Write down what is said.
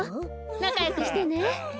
なかよくしてね。